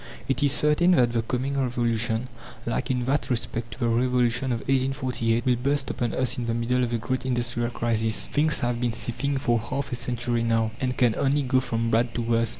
It is certain that the coming Revolution like in that respect to the Revolution of 1848 will burst upon us in the middle of a great industrial crisis. Things have been seething for half a century now, and can only go from bad to worse.